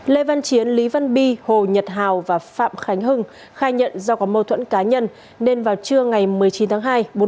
lê văn chiến lý văn bi hồ nhật hào và phạm khánh hưng khai nhận do có mâu thuẫn cá nhân nên vào trưa ngày một mươi chín tháng hai